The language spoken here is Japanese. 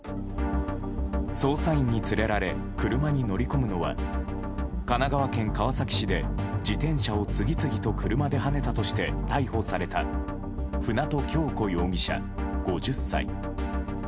捜査員に連れられ車に乗り込むのは神奈川県川崎市で自転車を次々と車ではねたとして逮捕された舟渡今日子容疑者、５０歳。